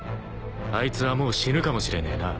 ［あいつはもう死ぬかもしれねえな］